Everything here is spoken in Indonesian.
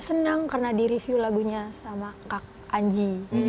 senang karena di review lagunya sama kak anji